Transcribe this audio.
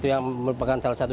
yang merupakan salah satu